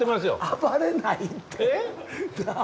暴れないって。なあ。